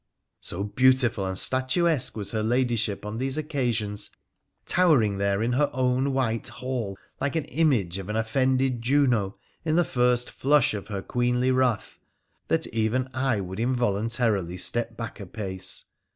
So beauti ful and statuesque was her Ladyship on these occasions, towering there in her own white hall like an image of an offended Juno in the first flush of her queenly wrath, that even I would involuntarily step back a pace.